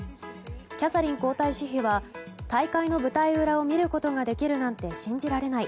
キャサリン皇太子妃は大会の舞台裏を見ることができるなんて信じられない。